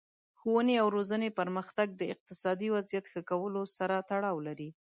د ښوونې او روزنې پرمختګ د اقتصادي وضعیت ښه کولو سره تړاو لري.